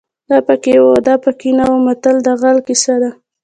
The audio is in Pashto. دا پکې وو او دا پکې نه وو متل د غل کیسه ده